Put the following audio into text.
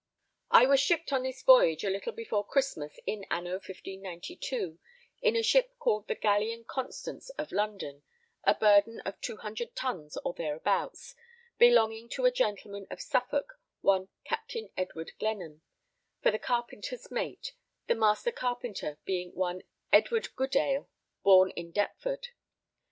I was shipped on this voyage a little before Christmas in anno 1592, in a ship called the Gallion Constance of London, of burden of 200 tons or thereabouts, belonging to a gentleman of Suffolk, one Captain Edward Glenham, for the carpenter's mate, the master carpenter being one Edward Goodale, born in Deptford.